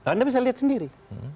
anda bisa lihat sendiri